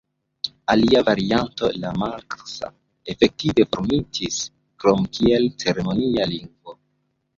Alia varianto, la manksa, efektive formortis krom kiel ceremonia lingvo.